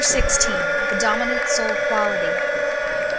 XVI. THE DOMINANT SOUL QUALITY.